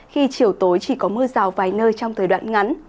khi chiều tối chỉ có mưa rào vài nơi trong thời đoạn ngắn